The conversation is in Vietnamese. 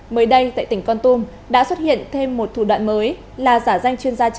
mới đây tại tỉnh con tum đã xuất hiện thêm một thủ đoạn mới là giả danh chuyên gia trẻ